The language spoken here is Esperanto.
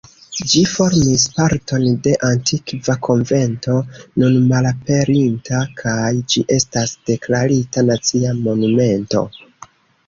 Ĝi formis parton de antikva konvento nun malaperinta kaj ĝi estas deklarita Nacia Monumento.